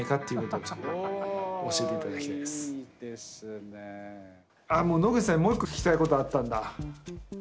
ああ野口さんにもう一個聞きたいことあったんだ。